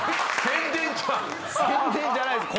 宣伝じゃないです。